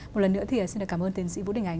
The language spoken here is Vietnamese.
một lần nữa thì xin được cảm ơn tiến sĩ vũ đình ánh